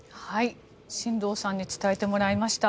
進藤さんに伝えてもらいました。